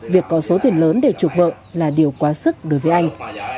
việc có số tiền lớn để chuộc vợ là điều quá sức đối với anh